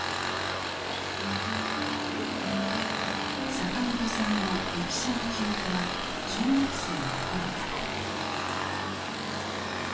坂本さんの駅舎の記憶は小学生の頃から。